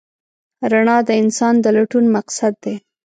رڼا د انسان د لټون مقصد دی.